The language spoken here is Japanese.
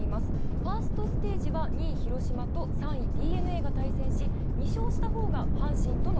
ファーストステージは、２位広島と３位ＤｅＮＡが対戦し２勝したほうが阪神との